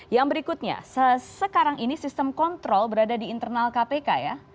yang berikutnya sekarang ini sistem kontrol berada di internal kpk ya